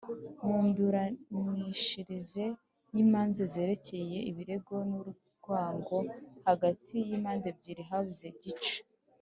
Mu miburanishirize y imanza zerekeye ibirego ni urwango hagati y’imande ebyiri habuze gica.